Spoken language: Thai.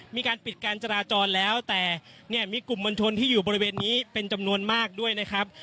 มีการปิดการจราจรแล้วแต่เนี่ยมีกลุ่มมวลชนที่อยู่บริเวณนี้เป็นจำนวนมากด้วยนะครับ